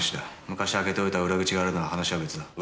昔開けておいた裏口があるなら話は別だ。